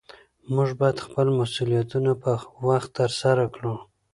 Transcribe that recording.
موږ باید خپل مسؤلیتونه په وخت ترسره کړو